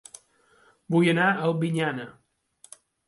Vull anar a Albinyana